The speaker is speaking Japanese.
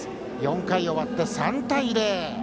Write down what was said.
４回終わって３対０。